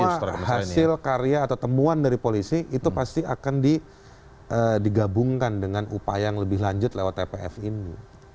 dan semua hasil karya atau temuan dari polisi itu pasti akan digabungkan dengan upaya yang lebih lanjut lewat tpf ini